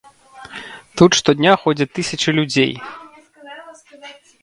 Тут штодня ходзяць тысячы людзей.